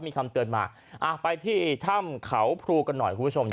มีคำเตือนมาไปที่ถ้ำเขาภูกันหน่อยคุณผู้ชม